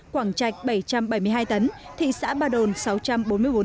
quảng trạch bảy trăm bảy mươi hai tấn thị xã ba đồn sáu trăm bốn mươi bốn tấn